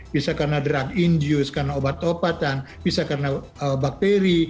bisa karena drug induce karena obat obatan bisa karena bakteri